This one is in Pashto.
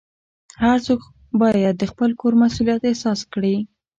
هر څوک باید د خپل کور مسؤلیت احساس کړي.